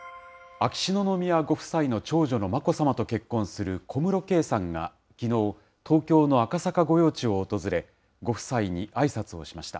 秋篠宮ご夫妻の長女の眞子さまと結婚する小室圭さんがきのう、東京の赤坂御用地を訪れ、ご夫妻にあいさつをしました。